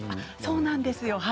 そうなんですよ。